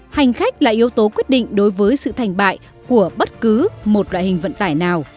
hành khách là yếu tố quyết định đối với sự thành bại của bất cứ một loại hình vận tải nào